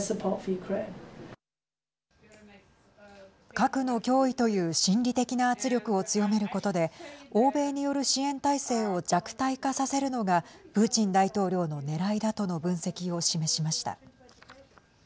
核の脅威という心理的な圧力を強めることで欧米による支援態勢を弱体化させるのがプーチン大統領のねらいだとの分析を示しました。